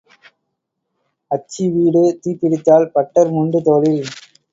அச்சி வீடு தீப்பிடித்தால் பட்டர் முண்டு தோளில்.